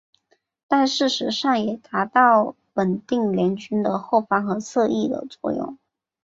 但事实上也达到稳定联军的后方和侧翼的作用。